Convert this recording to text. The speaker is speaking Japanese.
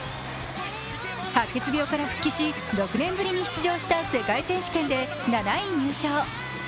白血病から復帰し、６年ぶりに復活した世界選手権で７位入賞。